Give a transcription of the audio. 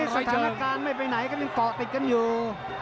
สถานการณ์ไม่ไปไหนก็ยังเกาะติดกันอยู่